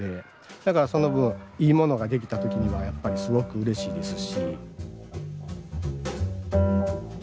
だからその分いいものができた時にはやっぱりすごくうれしいですし。